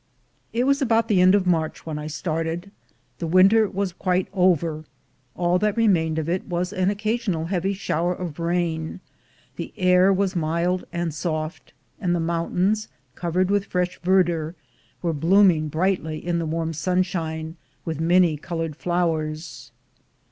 It was about the end of March when I started. The winter was quite over; all that remained of it was an occasional heavy shower of rain; the air was mild and soft, and the mountains, covered with fresh verdure, were blooming brightly in the warm sun shine with many colored flowers.